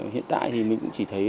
hiện tại thì mình cũng chỉ thấy